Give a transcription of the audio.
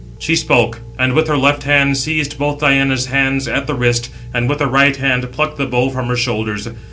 She spoke, and with her left hand seized both her (Diana's) hands at the wrist, and with her right plucked the bow 688 from her shoulders.